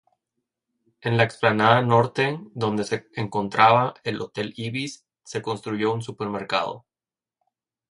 En la explanada norte, donde se encontraba el Hotel Ibis, se construyó un supermercado.